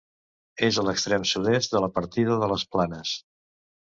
És a l'extrem sud-est de la partida de les Planes.